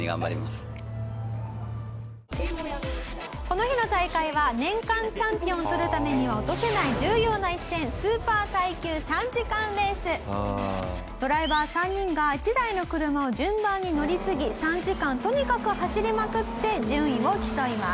この日の大会は年間チャンピオンを取るためには落とせない重要な一戦ドライバー３人が１台の車を順番に乗り継ぎ３時間とにかく走りまくって順位を競います。